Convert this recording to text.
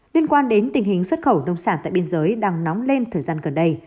liên quan đến tình hình xuất khẩu nông sản tại biên giới đang nóng lên thời gian gần đây